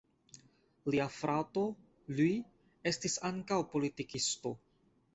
Lia frato Luis estis ankaŭ politikisto.